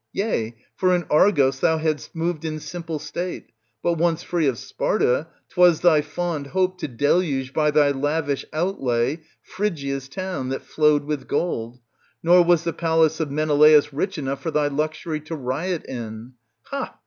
Yea, for in Argos thou hadst moved in simple state, but, once free of Sparta, 'twas thy fond hope to deluge by thy lavish outlay Phrygians town, that flowed with gold ; nor was the palace of Menelaus rich enough for thy luxury to riot iu Ha